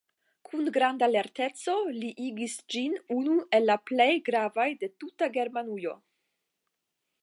Kun granda lerteco li igis ĝin unu el la plej gravaj de tuta Germanujo.